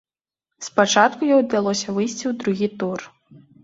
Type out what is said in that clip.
Спачатку ёй удалося выйсці ў другі тур.